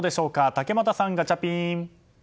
竹俣さん、ガチャピン。